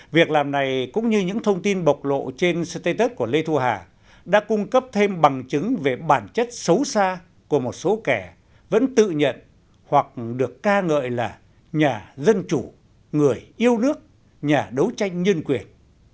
việc làm này cũng như những thông tin bộc lộ trên status của lê thu hà đã cung cấp thêm bằng chứng về bản chất xấu xa của một số kẻ vẫn tự nhận hoặc được ca ngợi là nhà dân chủ người yêu nước nhà đấu tranh nhân quyền